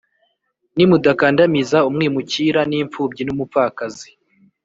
nimudakandamiza umwimukira n imfubyi n umupfakazi